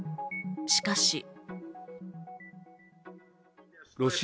しかし。